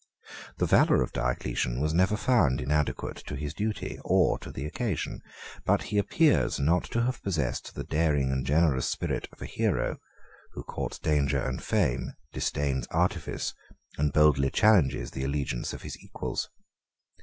The valor of Diocletian was never found inadequate to his duty, or to the occasion; but he appears not to have possessed the daring and generous spirit of a hero, who courts danger and fame, disdains artifice, and boldly challenges the allegiance of his equals.